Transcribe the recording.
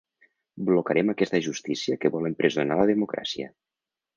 Blocarem aquesta justícia que vol empresonar la democràcia.